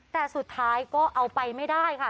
แต่สุดท้ายก็เอาไปไม่ได้ค่ะ